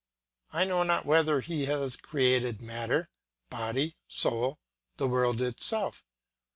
I know not whether he has created matter, body, soul, the world itself.